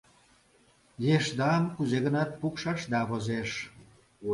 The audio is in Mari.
— Ешдам кузе-гынат пукшашда возеш.